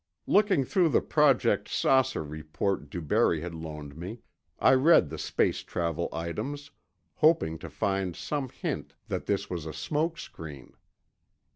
Looking through the Project "Saucer" report DuBarry had loaned me, I read the space travel items, hoping to find some hint that this was a smoke screen.